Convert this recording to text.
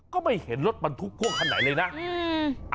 ก็ไม่เห็นรถบรรทุกพ่วงคันไหนเลยนะ